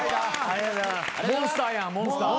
モンスターやんモンスター。